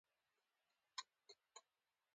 خلکو یو له بل سره د اختر مبارکۍ وکړې.